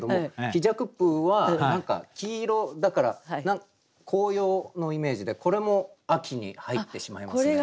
「きじゃくぷう」は何か黄色だから紅葉のイメージでこれも秋に入ってしまいますね。